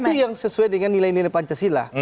itu yang sesuai dengan nilai nilai pancasila